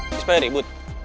siapa yang ribut